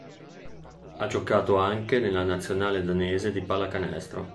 Ha giocato anche nella nazionale danese di pallacanestro.